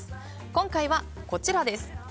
今回は、こちらです。